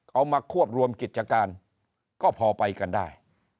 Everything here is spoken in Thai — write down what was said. มาควบรวมกิจการก็พอไปกันได้